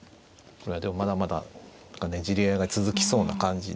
これはまだまだねじり合いが続きそうな感じですね。